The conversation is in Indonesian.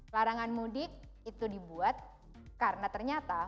larangan mudik itu dibuat karena ternyata